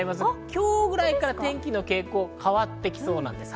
今日くらいから天気の傾向が変わってきます。